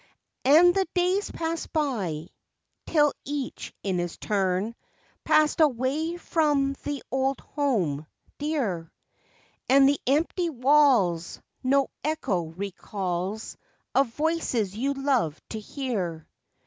And the days passed by, till each in his turn Passed away from the old home, dear, And the empty walls No echo recalls Of voices you loved to hear.